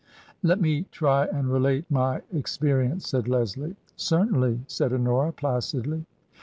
132 TRANSITION. " Let me try and relate my experience," said Leslie. " Certainly," said Honora, placidly.